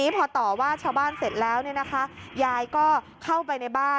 พอต่อว่าชาวบ้านเสร็จแล้วยายก็เข้าไปในบ้าน